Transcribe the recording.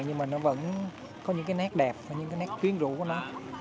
nhưng mà nó vẫn có những cái nét đẹp và những cái nét tiếng rũ của nó